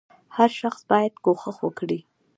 • هر شخص باید کوښښ وکړي.